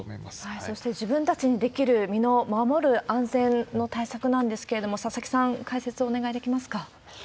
そして自分たちにできる身を守る安全の対策なんですけれども、佐々木さん、解説をお願いできますか。